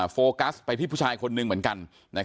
โฟกัสไปที่ผู้ชายคนหนึ่งเหมือนกัน